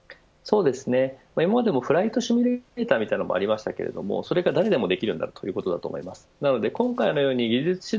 今までもフライトシミュレーターみたいなものはありましたけれどそれが何度もできるようになったと思います。